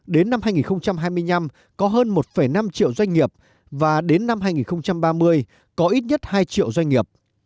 đến năm hai nghìn hai mươi năm có hơn một năm triệu doanh nghiệp và đến năm hai nghìn ba mươi có ít nhất hai triệu doanh nghiệp